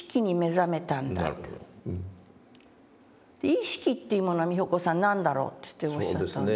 「意識っていうものは美穂子さん何だろう？」っておっしゃったんですね。